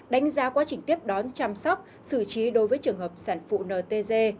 đánh giá quá trình tiếp đón chăm sóc xử trí đối với trường hợp sản phụ ntg